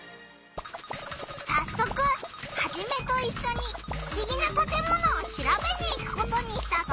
さっそくハジメといっしょにふしぎなたてものをしらべに行くことにしたぞ！